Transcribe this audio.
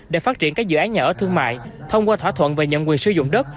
để phát triển các dự án nhà ở thương mại thông qua thỏa thuận về nhận quyền sử dụng đất